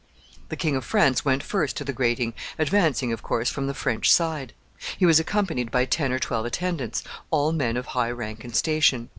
The King of France went first to the grating, advancing, of course, from the French side. He was accompanied by ten or twelve attendants, all men of high rank and station.